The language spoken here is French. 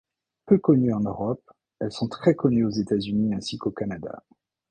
Peu connues en Europe, elles sont très connues aux États-Unis ainsi qu'au Canada.